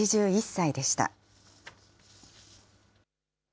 ８１歳でした。